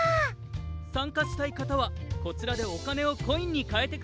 さんかしたいかたはこちらでおかねをコインにかえてください。